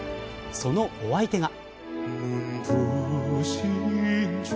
そのお相手が。